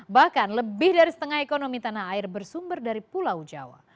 bahkan lebih dari setengah ekonomi tanah air bersumber dari pulau jawa